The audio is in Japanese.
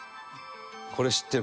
「これ知ってる。